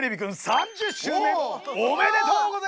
３０周年おめでとうございます！